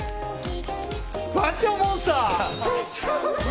「ファッションモンスター」！